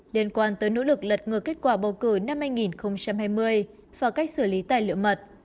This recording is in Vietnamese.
liên quan tới nỗ lực lật ngược kết quả bầu cử năm hai nghìn hai mươi và cách xử lý tài liệu mật